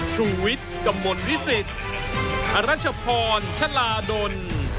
ชูเวทกำมลวิสิตรจรัชพลบฯฉลาดล